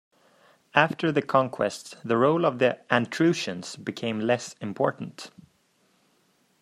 After the conquest, the role of the "antrustions" became less important.